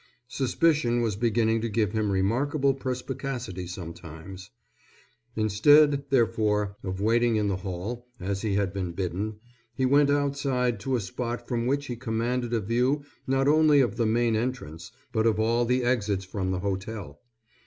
Suspicion was beginning to give him remarkable perspicacity sometimes. Instead, therefore, of waiting in the hall, as he had been bidden, he went outside to a spot from which he commanded a view not only of the main entrance but of all the exits from the hotel.